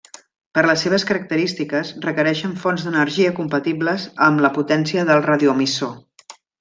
Per les seves característiques, requereixen fonts d'energia compatibles amb la potència del radioemissor.